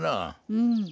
うん。